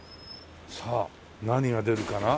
さあ何が出るかな？